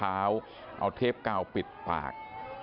บังคับเขาเอาเทปกล้าวปิดปาก